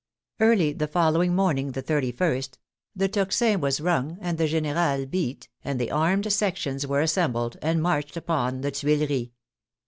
Early the following morning, the 31st, the tocsin was rung and the generate beat, and the armed sections were assembled and marched upon the Tuileries.